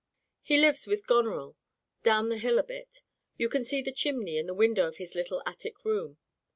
He lives with Goneril, down the hill a bit. You can see the chimney and the window of his little attic room."